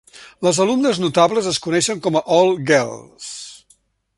Les alumnes notables es coneixen com a Old Girls.